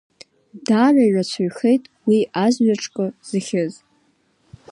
Даара ирацәаҩхеит уи азҩаҿкы зыхьыз.